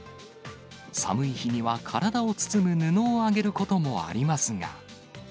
寒い日には体を包む布をあげることもありますが。